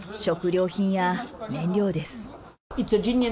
食料品や燃料です。